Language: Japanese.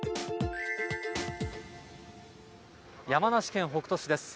山梨県北杜市です。